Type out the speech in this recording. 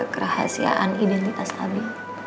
kerahasiaan identitas abi